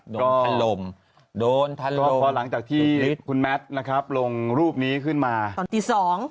โดนทันลมโดนทันลมก็พอหลังจากที่คุณแมทนะครับลงรูปนี้ขึ้นมาตอนตีสอง